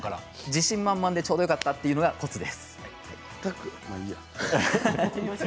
自信満々でちょうどよかった！と言うのがコツです。